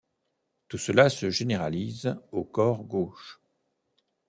Tout cela se généralise aux corps gauches.